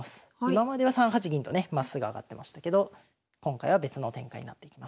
今までは３八銀とねまっすぐ上がってましたけど今回は別の展開になっていきます。